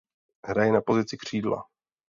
Hraje na pozici křídla.